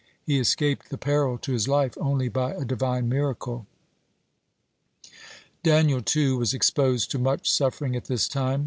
He escaped the peril to his life only by a Divine miracle. (5) Daniel, too, was exposed to much suffering at this time.